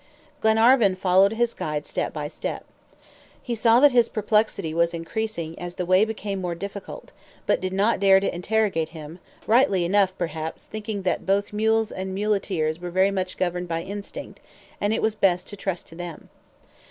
Glenarvan followed his guide step by step. He saw that his perplexity was increasing as the way became more difficult, but did not dare to interrogate him, rightly enough, perhaps, thinking that both mules and muleteers were very much governed by instinct, and it was best to trust to them.